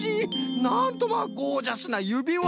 なんとまあゴージャスなゆびわ！